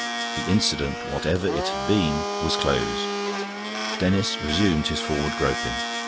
The incident, whatever it had been, was closed. Denis resumed his forward groping.